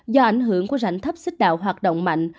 do ảnh hưởng của rãnh thấp xích đạo hoạt động mạnh